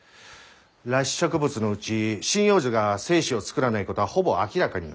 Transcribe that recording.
裸子植物のうち針葉樹が精子を作らないことはほぼ明らかになった。